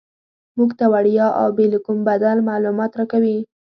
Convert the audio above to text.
موږ ته وړیا او بې له کوم بدل معلومات راکوي.